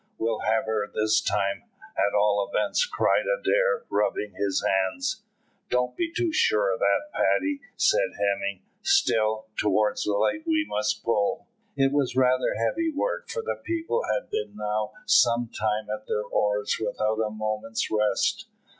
"We'll have her this time, at all events," cried Adair, rubbing his hands. "Don't be too sure of that, Paddy," said Hemming; "still, towards the light we must pull." It was rather heavy work, for the people had been now some time at their oars without a moment's rest.